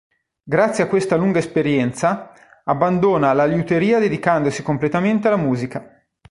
Grazie a questa lunga esperienza, abbandona la liuteria dedicandosi completamente alla musica.